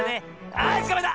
はいつかまえた！